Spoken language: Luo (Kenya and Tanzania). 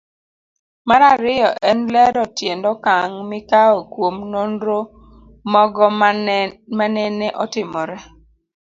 Mar ariyo en lero tiend okang' mikawo kuom nonro mogo manene otimore